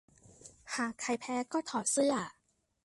หากใครแพ้ก็ถอดเสื้อ